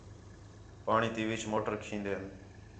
پاݨی تی وِچ موٹر کھندیں